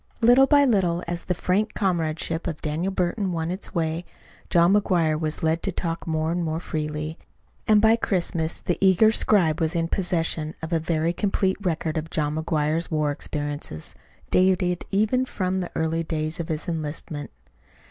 Little by little, as the frank comradeship of Daniel Burton won its way, John McGuire was led to talk more and more freely; and by Christmas the eager scribe was in possession of a very complete record of John McGuire's war experiences, dating even from the early days of his enlistment.